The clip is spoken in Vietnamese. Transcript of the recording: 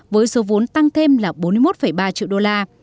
với số vốn tăng thêm là bốn mươi một ba triệu đô la